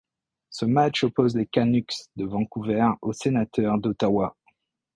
Ce match oppose les Canucks de Vancouver aux Sénateurs d'Ottawa.